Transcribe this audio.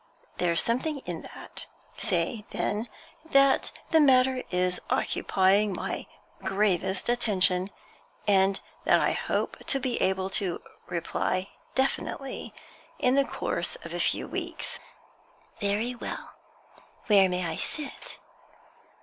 There's something in that. Say, then, that the matter is occupying my gravest attention, and that I hope to be able to reply definitely in the course of a few weeks.' 'Very well. Where may I sit?